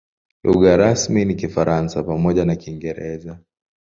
Lugha rasmi ni Kifaransa pamoja na Kiingereza.